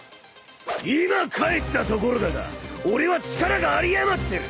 今帰ったところだが俺は力が有り余ってる。